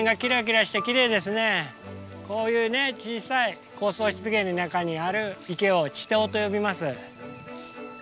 こういう小さい高層湿原の中にある池を「池塘」と呼びます。